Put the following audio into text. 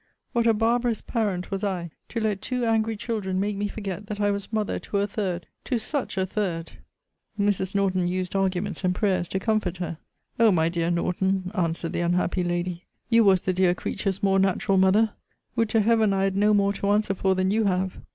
What a barbarous parent was I, to let two angry children make me forget that I was mother to a third to such a third! Mrs. Norton used arguments and prayers to comfort her O, my dear Norton, answered the unhappy lady, you was the dear creature's more natural mother! Would to Heaven I had no more to answer for than you have!